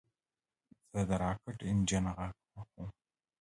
زه د راکټ انجن غږ خوښوم.